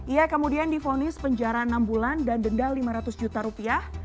ia kemudian difonis penjara enam bulan dan denda lima ratus juta rupiah